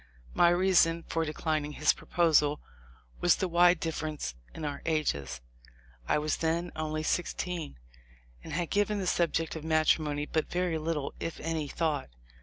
My reason for declining his proposal was the wide difference in our ages. I was then only sixteen, and had given the subject of matrimony but very little, if any, thought.